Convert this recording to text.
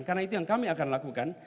karena itu yang kami akan lakukan